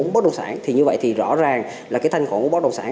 bất đồng sản thì như vậy thì rõ ràng là cái thanh khổ của bất đồng sản